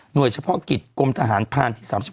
หน่วยเฉพาะกิจกรมทหารพาลที่๓๖